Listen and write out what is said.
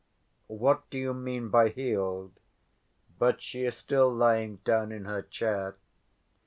"What do you mean by healed? But she is still lying down in her chair."